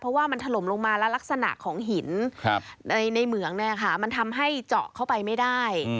เพราะว่ามันถล่มลงมาแล้วลักษณะของหินในเหมืองมันทำให้เจาะเข้าไปไม่ได้